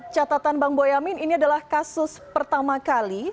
catatan bang boyamin ini adalah kasus pertama kali